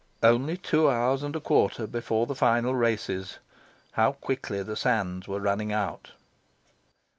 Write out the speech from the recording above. Only two hours and a quarter before the final races! How quickly the sands were running out!